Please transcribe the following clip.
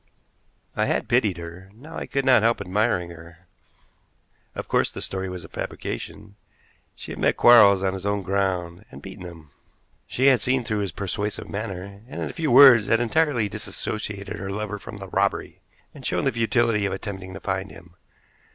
I had pitied her, now I could not help admiring her. Of course, the story was a fabrication. She had met Quarles on his own ground, and beaten him. She had seen through his persuasive manner, and in a few words had entirely dissociated her lover from the robbery, and shown the futility of attempting to find him.